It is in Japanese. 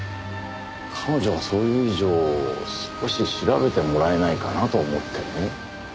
彼女がそう言う以上少し調べてもらえないかなと思ってね。